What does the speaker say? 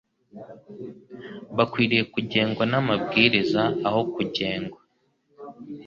Bakwiriye kugengwa n’amabwiriza, aho kugengwa